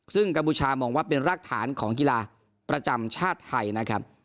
ซึ่งกัมพูชามองว่าเป็นรากฐานของกีฬาประจำชาติไทยนะครับ